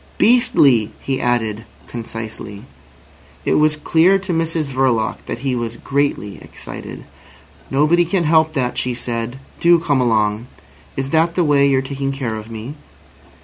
"Beastly!" he added concisely. It was clear to Mrs Verloc that he was greatly excited. "Nobody can help that," she said. "Do come along. Is that the way you're taking care of me?"